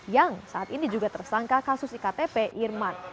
yang saat ini juga tersangka kasus iktp irman